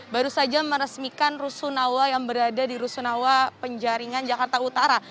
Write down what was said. baru saja meresmikan rusunawa yang berada di rusunawa penjaringan jakarta utara